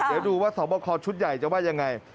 เดี๋ยวดูว่าสอบคอชุดใหญ่จะว่ายังไง